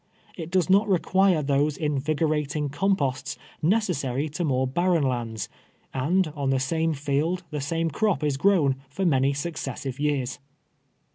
It does not require those invigorating composts neces sary to more barren lands, and on the same field the same croj) is grown for many successive years.